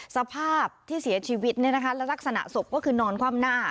สภาพที่เสียชีวิตเนี่ยนะคะและลักษณะศพก็คือนอนความหน้า